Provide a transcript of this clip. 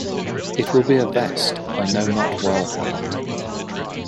It will be a vest, I know not well how.